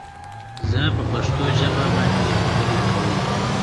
He was born in Duisburg.